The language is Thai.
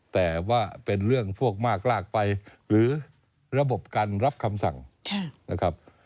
แต่ว่าเป็นเรื่องพวกมากลากไปหรือระบบการรับคำสั่งนะครับ